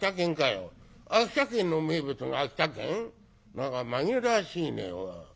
何か紛らわしいねおい。